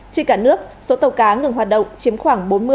trên cả nước số tàu cá ngừng hoạt động chiếm khoảng bốn mươi năm mươi năm